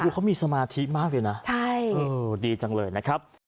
คือเขามีสมาธิมากเลยนะดีจังเลยนะครับ